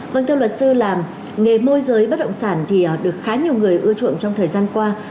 vâng thưa luật sư là nghề môi giới bất động sản thì được khá nhiều người ưa chuộng trong thời gian qua